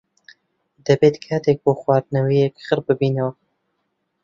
دەبێت کاتێک بۆ خواردنەوەیەک خڕببینەوە.